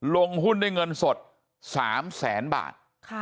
ลงทุนด้วยเงินสด๓แสนบาท